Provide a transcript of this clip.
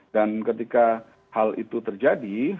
dan ketika hal itu terjadi